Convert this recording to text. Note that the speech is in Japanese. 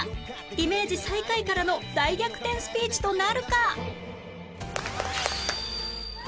イメージ最下位からの大逆転スピーチとなるか！？